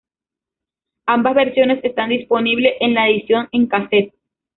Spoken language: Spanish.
Ambas versiones están disponibles en la edición en cassette.